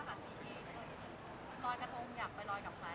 รอยกระทงอยากไปรอยกับใคร